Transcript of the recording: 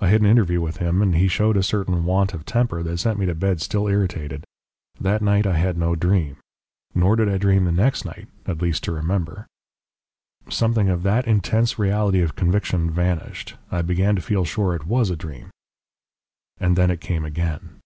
I had an interview with him, and he showed a certain want of temper that sent me to bed still irritated. That night I had no dream. Nor did I dream the next night, at least, to remember. "Something of that intense reality of conviction vanished. I began to feel sure it WAS a dream. And then it came again.